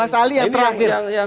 mas ali yang terakhir